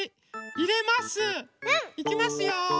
うん。いきますよ。